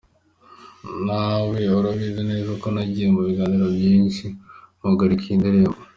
Na we urabizi neza ko nagiye mu biganiro byinshi mpagarika iyi ndirimbo.